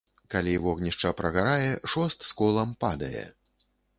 Калі вогнішча прагарае, шост з колам падае.